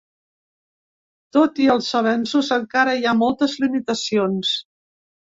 Tot i els avenços, encara hi ha moltes limitacions.